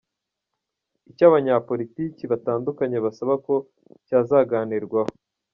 Icyo Abanyapolitiki batandukanye basaba ko cyazaganirwaho.